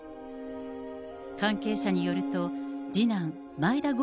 関係者によると、次男、眞栄田郷